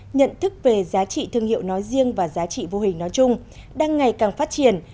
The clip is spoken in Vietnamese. nhận thức về giá trị thương hiệu nói riêng và giá trị vô hình nói chung đang ngày càng phát triển